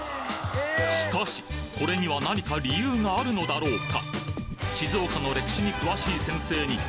しかしこれには何か理由があるのだろうか？